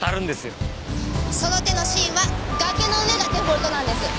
その手のシーンは崖の上がデフォルトなんです。